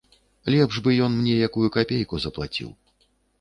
Лепш бы ён мне якую капейку заплаціў.